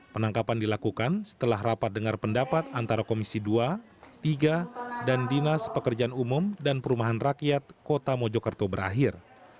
penangkapan dilakukan setelah rapat dengar pendapat antara komisi dua tiga dan dinas pekerjaan umum dan perumahan rakyat kota mojokerto berakhir